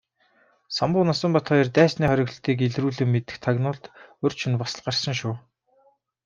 Самбуу Насанбат хоёр дайсны хориглолтыг илрүүлэн мэдэх тагнуулд урьд шөнө бас л гарсан шүү.